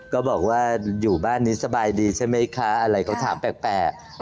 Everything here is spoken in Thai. ก็บอกว่าอยู่บ้านนี้สบายดีใช่ไหมคะอะไรเขาถามแปลก